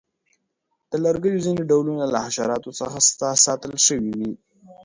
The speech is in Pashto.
د لرګیو ځینې ډولونه له حشراتو څخه ساتل شوي وي.